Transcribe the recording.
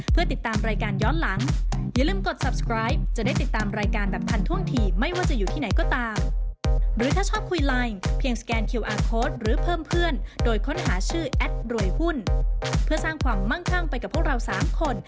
เพื่อสร้างความมั่งข้างไปกับพวกเรา๓คน